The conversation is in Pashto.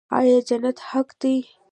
آیا جنت حق دی؟